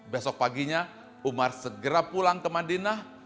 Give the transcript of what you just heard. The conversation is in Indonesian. besok paginya umar segera pulang ke madinah